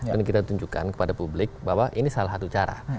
dan kita tunjukkan kepada publik bahwa ini salah satu cara